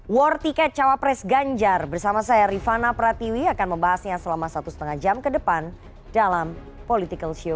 war ticket cawapres ganjar bersama saya rifana pratiwi akan membahasnya selama satu lima jam ke depan dalam political show